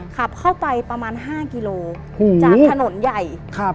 ขับเข้าไปประมาณ๕กิโลจากถนนใหญ่